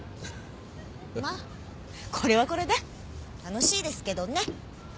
まあこれはこれで楽しいですけどね。